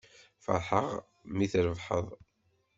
Feṛḥeɣ-ak mi trebḥeḍ.